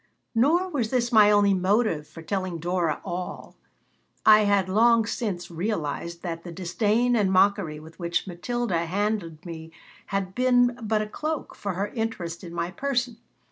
Nor was this my only motive for telling Dora all. I had long since realized that the disdain and mockery with which Matilda handled me had been but a cloak for her interest in my person.